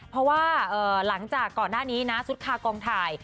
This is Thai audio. เพราะว่าหลังจากก่อนหน้านี้นะสุดคากองถ่าย